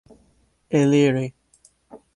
eliri